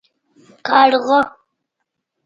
🐦⬛ کارغه